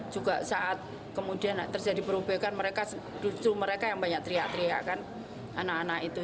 juga saat kemudian terjadi perobekan mereka justru mereka yang banyak teriak teriak kan anak anak itu